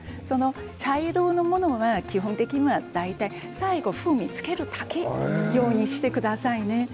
茶色のものは基本的には最後、風味をつけるだけ用にしてくださいね。